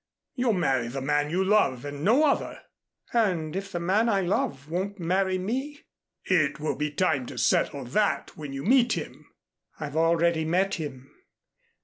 You'll marry the man you love and no other." "And if the man I love won't marry me?" "It will be time to settle that when you meet him." "I've already met him."